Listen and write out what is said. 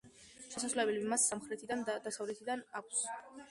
შესასვლელები მას სამხრეთიდან და დასავლეთიდან აქვს.